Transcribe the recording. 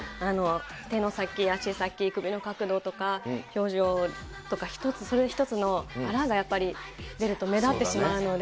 手の先、足先、首の角度とか、表情とか、一つ、それ一つの粗がやっぱり、出ると目立ってしまうので。